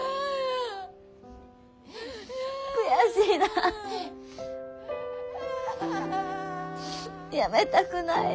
悔しいなあやめたくないなあ。